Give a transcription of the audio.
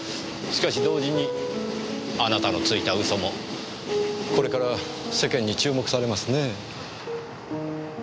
しかし同時にあなたのついた嘘もこれから世間に注目されますねぇ。